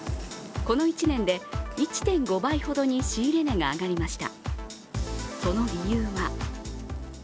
この１年で１．５倍ほどに仕入れ値が上がりました